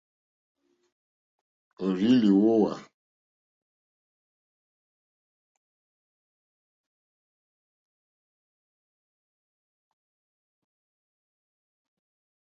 Òrzì lìhwówá.